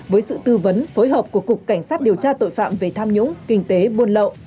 với sự tư vấn phối hợp của cục cảnh sát điều tra tội phạm về tham nhũng kinh tế buôn lậu